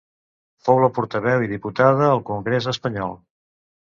Fou la portaveu i diputada al Congrés Espanyol.